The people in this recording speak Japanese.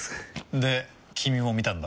で君も見たんだろ？